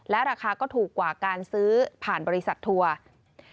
ราคาก็ถูกกว่าการซื้อผ่านบริษัททัวร์